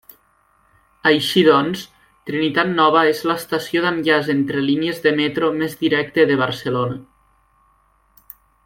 Així doncs, Trinitat Nova és l'estació d'enllaç entre línies de metro més directe de Barcelona.